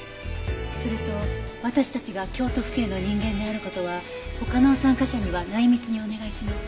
それと私たちが京都府警の人間である事は他の参加者には内密にお願いします。